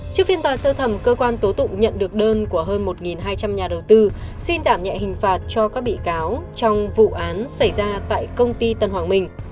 trước phiên tòa sơ thẩm cơ quan tố tụng nhận được đơn của hơn một hai trăm linh nhà đầu tư xin giảm nhẹ hình phạt cho các bị cáo trong vụ án xảy ra tại công ty tân hoàng minh